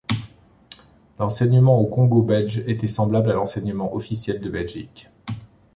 L'enseignement au Congo belge était semblable à l'enseignement officiel de Belgique.